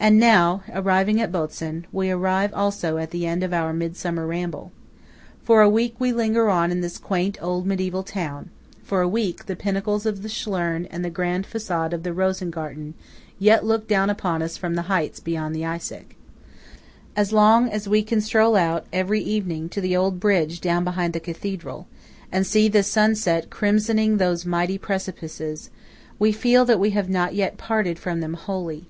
And now, arriving at Botzen, we arrive also at the end of our midsummer ramble. For a week we linger on in this quaint old mediæval town–for a week the pinnacles of the Schlern and the grand facade of the Rosengarten yet look down upon us from the heights beyond the Eisack. As long as we can stroll out every evening to the old bridge down behind the Cathedral and see the sunset crimsoning those mighty precipices, we feel that we have not yet parted from them wholly.